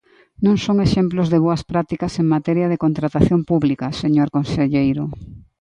Non son exemplos de boas prácticas en materia de contratación pública, señor conselleiro.